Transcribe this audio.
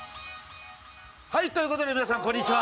はいということで皆さんこんにちは！